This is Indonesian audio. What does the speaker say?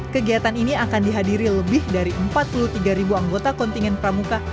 kegiatan ini akan dihadiri lebih dari empat puluh tiga ribu anggota kontingen pramuka